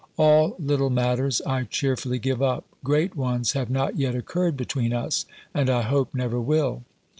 _ All little matters I cheerfully give up: great ones have not yet occurred between us, and I hope never will.